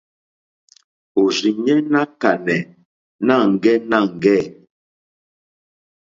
Òrzìɲɛ́ ná kánɛ̀ nâŋɡɛ́nâŋɡɛ̂.